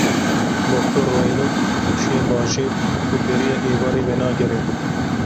Dr. Rweylot çûye bajêr û beriya êvarê venagere.